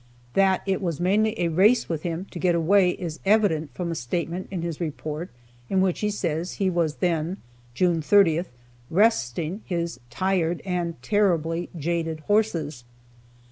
That it was mainly a race with him to get away is evident from a statement in his report, in which he says he was then (June 30th) "resting" his "tired and terribly jaded horses."